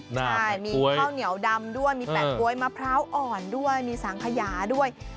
ใช่มีข้าวเหนียวดำด้วยมีแปะก๊วยมะพร้าวอ่อนด้วยมีสังขยาด้วย